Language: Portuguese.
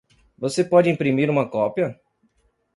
Você pode imprimir uma cópia?